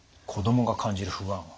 子どもが感じる不安？